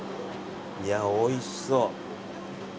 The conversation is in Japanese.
いや、おいしそう。